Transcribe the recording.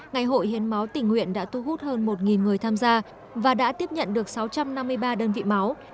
ngày hội hiến máu tình nguyện đã thu hút hơn một người tham gia và đã tiếp nhận được sáu trăm năm mươi ba đơn vị máu